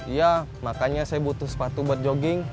iya makanya saya butuh sepatu buat jogging